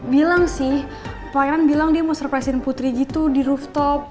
bilang sih pelayanan bilang dia mau surpresin putri gitu di rooftop